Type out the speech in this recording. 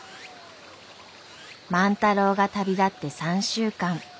万太郎が旅立って３週間。